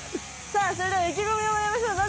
さあそれではいきごみをもらいましょう。